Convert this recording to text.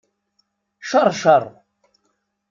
Ceṛceṛ.